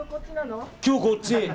今日こっち。